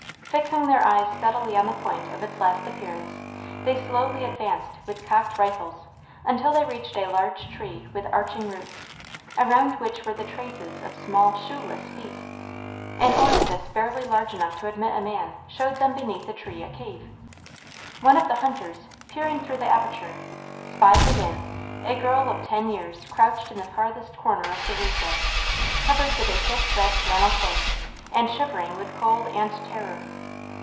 Fixing their eyes steadily on the point of its last appearance, they slowly advanced with cocked rifles until they reached a large tree with arching roots, around which were the traces of small shoeless feet. An orifice barely large enough to admit a man showed them beneath the tree a cave. One of the hunters, peering through the aperture, spied within, a girl of ten years crouched in the farthest corner of the recess, covered with a thick red flannel cloak, and shivering with cold and terror.